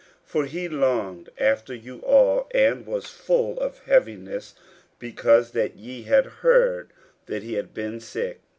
50:002:026 For he longed after you all, and was full of heaviness, because that ye had heard that he had been sick.